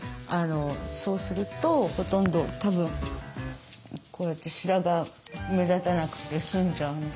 そうするとほとんどたぶんこうやって白髪目立たなくて済んじゃうんで。